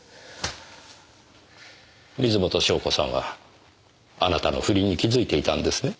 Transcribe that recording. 水元湘子さんはあなたの不倫に気づいていたんですね？